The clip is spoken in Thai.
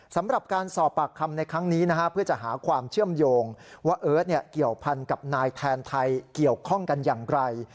สำหรับการสอบปากคำในครั้งนี้นะฮะเพื่อจะหาความเชื่อมโยงว่าเอิร์ทเกี่ยวพันกับนายแทนไทยเกี่ยวข้องกันอย่างไร